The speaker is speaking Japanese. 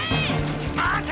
待て！